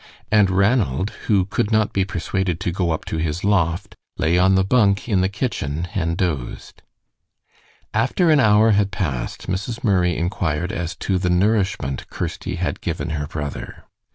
And Ranald, who could not be persuaded to go up to his loft, lay on the bunk in the kitchen and dozed. After an hour had passed, Mrs. Murray inquired as to the nourishment Kirsty had given her brother.